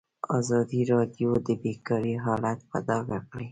ازادي راډیو د بیکاري حالت په ډاګه کړی.